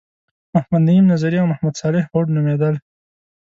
محمد نعیم نظري او محمد صالح هوډ نومیدل.